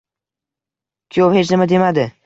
Kuyov hech nima demadi